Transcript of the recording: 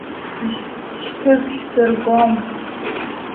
Шьҭыбжь сыргом.